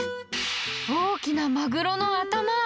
大きなマグロの頭！